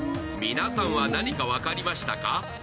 皆さんは何か分かりましたか？